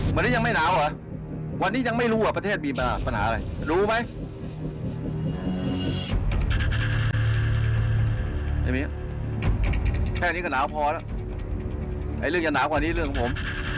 มันนี่ยังไม่หนาวหรอวันนี้ยังไม่รู้ว่าประเทศมีปัญหาอะไรรู้ไหม